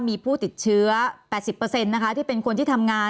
มีผู้ติดเชื้อ๘๐นะคะที่เป็นคนที่ทำงาน